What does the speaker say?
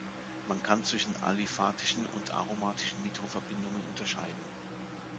Man kann zwischen aliphatischen und aromatischen Nitroverbindungen unterscheiden.